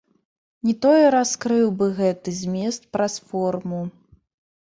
Не тое раскрыў бы гэты змест праз форму.